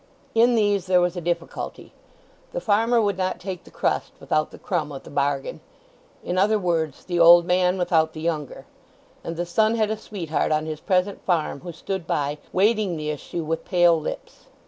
In these there was a difficulty. The farmer would not take the crust without the crumb of the bargain, in other words, the old man without the younger; and the son had a sweetheart on his present farm, who stood by, waiting the issue with pale lips.